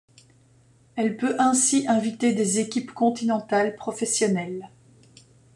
Elle peut ainsi inviter des équipes continentales professionnelles.